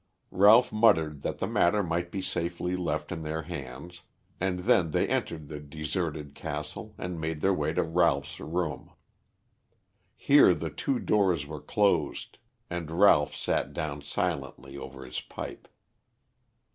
Ralph muttered that the matter might be safely left in their hands, and then they entered the deserted castle and made their way to Ralph's room. Here the two doors were closed and Ralph sat down silently over his pipe.